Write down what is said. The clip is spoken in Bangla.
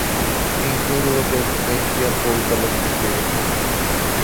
ডিজনি মূলত একজন এশিয়ান পরিচালককে চেয়েছিল।